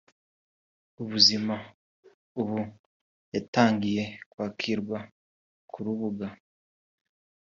ubuzima) ubu yatangiye kwakirwa ku rubuga